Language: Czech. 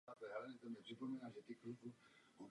Tento rozměr problému je ve zprávě zmíněn, ale pouze okrajově.